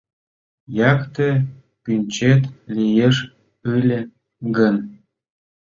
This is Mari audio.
Якте пӱнчет лиеш ыле гын